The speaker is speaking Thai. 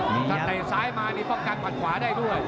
นี่ถ้าเตะซ้ายมานี่ป้องกันหัดขวาได้ด้วย